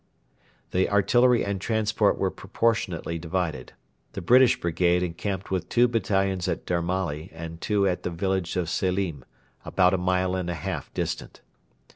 The artillery and transport were proportionately divided. The British brigade encamped with two battalions at Darmali and two at the village of Selim, about a mile and a half distant.